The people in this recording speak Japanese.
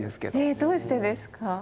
えっどうしてですか？